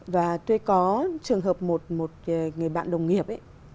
và tuy có trường hợp một người bạn đồng nghiệp